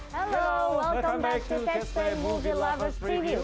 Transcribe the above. halo selamat datang kembali di catch play movie lovers review